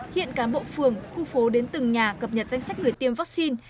hiện cán bộ phường khu phố đến từng nhà cập nhật danh sách người tiêm vaccine